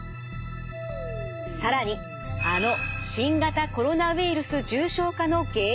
更にあの新型コロナウイルス重症化の原因にも。